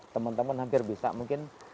teman teman hampir bisa mungkin